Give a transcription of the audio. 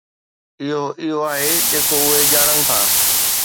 اھو اھو آھي جيڪو اھي ڄاڻن ٿا.